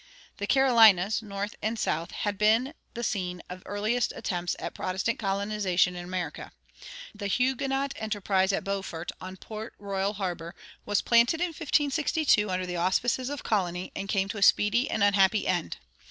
The Carolinas, North and South, had been the scene of the earliest attempts at Protestant colonization in America. The Huguenot enterprise at Beaufort, on Port Royal harbor, was planted in 1562 under the auspices of Coligny, and came to a speedy and unhappy end.